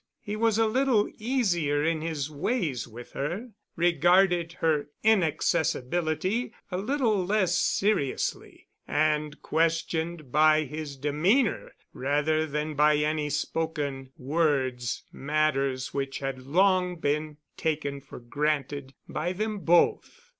He was a little easier in his ways with her, regarded her inaccessibility a little less seriously, and questioned by his demeanor rather than by any spoken words matters which had long been taken for granted by them both.